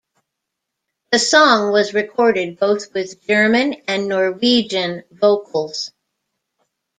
The song was recorded both with German and Norwegian vocals.